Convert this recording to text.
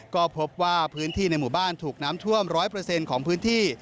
ก็พบว่าพื้นที่ในหมู่บ้านถูกน้ำท่วม๑๐๐ของพื้นที่